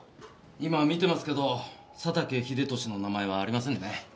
今見てますけど佐竹英利の名前はありませんね。